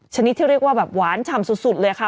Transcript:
ชนิดที่เรียกว่าแบบหวานฉ่ำสุดเลยค่ะ